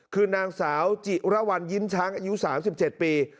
คือนางสาวจิระวรรณยิ้มช้างอายุ๓๗ปี